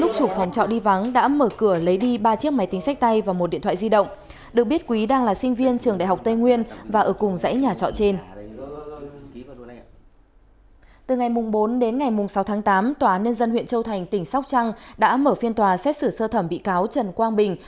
từ ngày bốn đến ngày sáu tháng tám tòa nhân dân huyện châu thành tỉnh sóc trăng đã mở phiên tòa xét xử sơ thẩm bị cáo trần quang bình